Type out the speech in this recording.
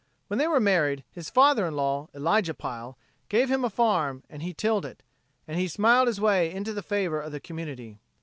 When they were married, his father in law, Elijah Pile, gave him a farm and he tilled it, and he smiled his way into the favor of the community.